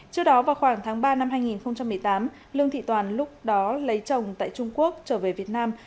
trước đó vào khoảng tháng ba năm hai nghìn một mươi tám lương thị toàn lúc đó lấy chồng tại trung quốc trở về việt nam